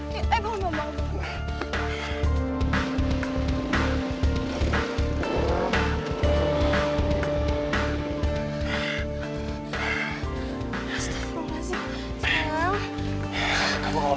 ya aku gak apa apa kok